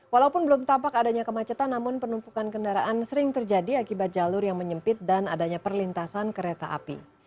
walaupun belum tampak adanya kemacetan namun penumpukan kendaraan sering terjadi akibat jalur yang menyempit dan adanya perlintasan kereta api